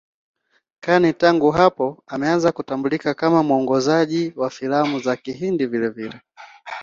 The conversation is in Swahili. Khan tangu hapo ameanza kutambulika kama mwongozaji wa filamu za Kihindi vilevile.